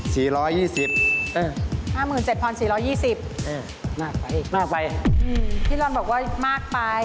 พี่รอนบอกว่ามากไป